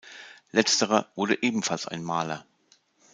Letzterer wurde ebenfalls ein Maler.